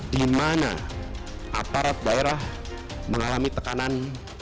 di mana aparat daerah mengalami tekanan